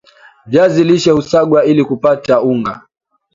viazi lishe husagwa ili kupata unga